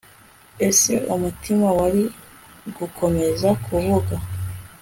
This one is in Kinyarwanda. Ese umutima wari gukomeza kuvuga